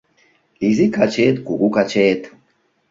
Изи качет, кугу качет —